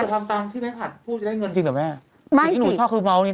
ถ้าตามตามที่แม่ผัดพูดจะได้เงินจริงหรือไม่